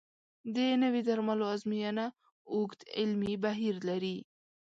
د نوي درملو ازموینه اوږد علمي بهیر لري.